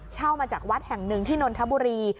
เช่ามาจากวัดแห่งหนึ่งที่นนทบุรี